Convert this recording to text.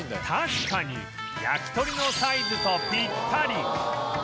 確かに焼き鳥のサイズとピッタリ！